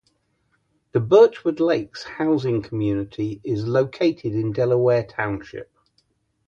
The Birchwood Lakes housing community is located in Delaware Township.